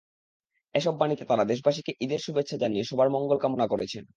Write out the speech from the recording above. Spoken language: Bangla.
এসব বাণীতে তাঁরা দেশবাসীকে ঈদের শুভেচ্ছা জানিয়ে সবার মঙ্গল কামনা করেছেন।